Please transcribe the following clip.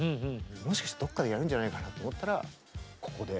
もしかしてどっかでやるんじゃないかなと思ったらここで。